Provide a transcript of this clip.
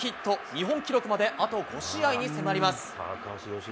日本記録まであと５試合に迫ります。